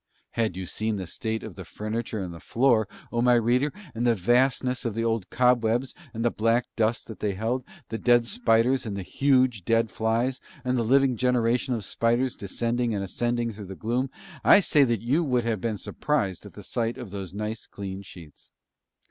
Had you seen the state of the furniture and the floor, O my reader, and the vastness of the old cobwebs and the black dust that they held, the dead spiders and huge dead flies, and the living generation of spiders descending and ascending through the gloom, I say that you also would have been surprised at the sight of those nice clean sheets.